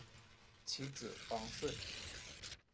其子王舜。